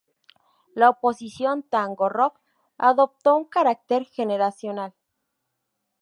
La oposición tango-rock adoptó un carácter generacional.